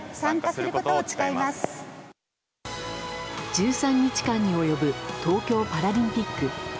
１３日間に及ぶ東京パラリンピック。